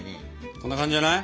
こんな感じじゃない？